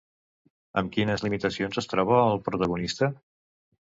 Amb quines limitacions es troba el protagonista?